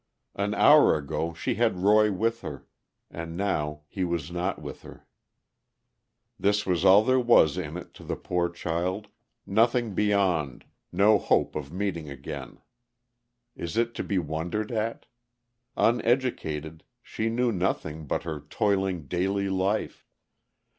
An hour ago, she had Roy with her—and now he was not with her. This was all there was in it to the poor child—nothing beyond, no hope of meeting again. Is it to be wondered at? Uneducated, she knew nothing but her toiling daily life.